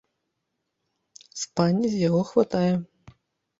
Спання з яго хватае.